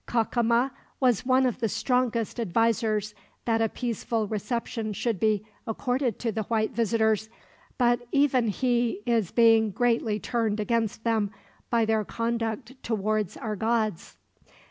Cacama was one of the strongest advisors that a peaceful reception should be accorded to the white visitors, but even he is being greatly turned against them, by their conduct towards our gods.